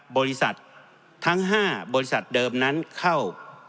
บริษัททั้ง๕บริษัทเดิมนั้นเข้า